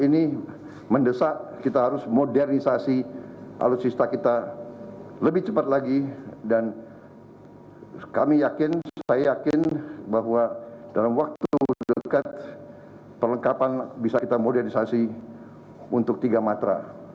ini mendesak kita harus modernisasi alutsista kita lebih cepat lagi dan kami yakin saya yakin bahwa dalam waktu dekat perlengkapan bisa kita modernisasi untuk tiga matra